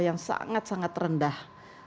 yang sangat sangat rendah